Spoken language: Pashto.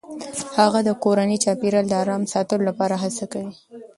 هغه د کورني چاپیریال د آرام ساتلو لپاره هڅه کوي.